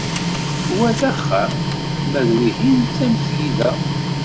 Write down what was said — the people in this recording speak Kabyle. Wa d axxam ma d wihin d tamesgida.